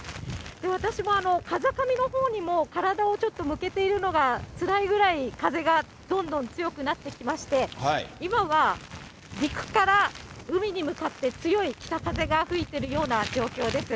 私も風上のほうにも体をちょっと向けているのがつらいぐらい、風がどんどん強くなってきまして、今は陸から海に向かって強い北風が吹いているような状況です。